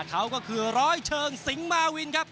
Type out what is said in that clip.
เขาก็คือร้อยเชิงสิงหมาวินครับ